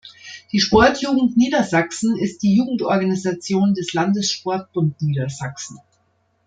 Die Sportjugend Niedersachsen ist die Jugendorganisation des Landessportbund Niedersachsen.